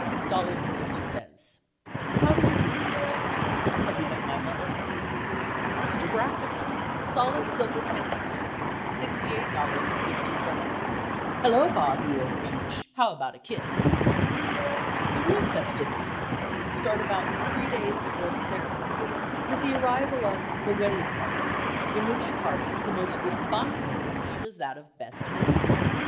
$6.50—"how do you do, Mr. Snodgrass, have you met my mother?" "Mr. Brackett—Solid silver candlesticks—$68.50"—"hello, Bob, you old peach. How about a kiss?" The real festivities of a wedding start about three days before the ceremony, with the arrival of the "wedding party," in which party the most responsible position is that of best man.